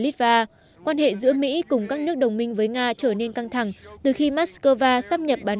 litva quan hệ giữa mỹ cùng các nước đồng minh với nga trở nên căng thẳng từ khi moscow sắp nhập bán